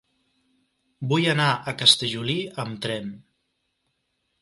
Vull anar a Castellolí amb tren.